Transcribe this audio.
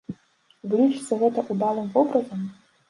Вы лічыце гэта ўдалым вобразам?